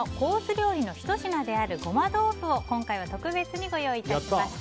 料理のひと品であるごまどうふを今回は特別にご用意しました。